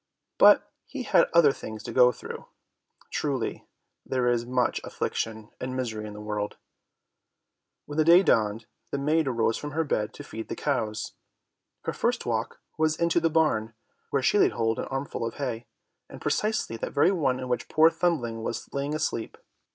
But he had other things to go through. Truly, there is much affliction and misery in this world! When day dawned, the maid arose from her bed to feed the cows. Her first walk was into the barn, where she laid hold of an armful of hay, and precisely that very one in which poor Thumbling was lying asleep.